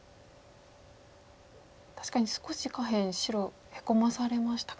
確かに少し下辺白ヘコまされましたか。